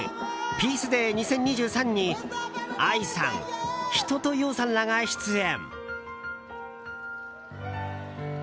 ＰＥＡＣＥＤＡＹ２０２３にＡＩさん、一青窈さんらが出演。